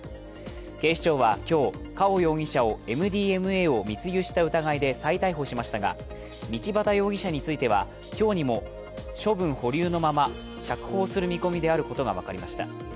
警視庁は今日、カオ容疑者をＭＤＭＡを密輸した疑いで再逮捕しましたが、道端容疑者については今日にも処分保留のまま釈放する見込みであることが分かりました。